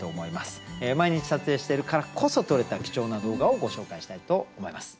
毎日撮影しているからこそ撮れた貴重な動画をご紹介したいと思います。